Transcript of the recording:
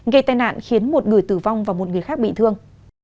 gây tai nạn khiến một người tử vong và một người khác bị thương